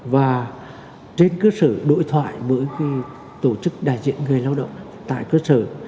và trên cơ sở đội thoại với cái tổ chức đại diện người lao động tại cơ sở